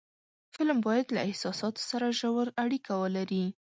فلم باید له احساساتو سره ژور اړیکه ولري